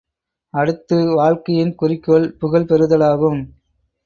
அடுத்து வாழ்க்கையின் குறிக்கோள் புகழ் பெறுதலாகும்.